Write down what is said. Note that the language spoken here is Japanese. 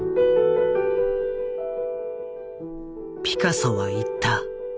ピカソは言った。